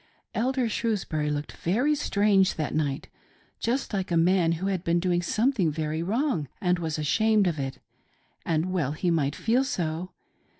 Elder Shrewsbury looked very Strange that night, just like a man who had been doing something wrong and was ashamed of it — :and well he might feel so.